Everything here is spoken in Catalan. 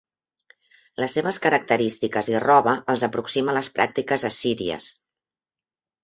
Les seves característiques i roba els aproxima a les pràctiques assíries.